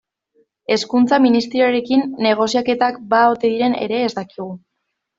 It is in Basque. Hezkuntza Ministerioarekin negoziaketak ba ote diren ere ez dakigu.